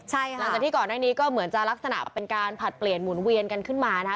ใช่ค่ะหลังจากที่ก่อนหน้านี้ก็เหมือนจะลักษณะเป็นการผลัดเปลี่ยนหมุนเวียนกันขึ้นมานะคะ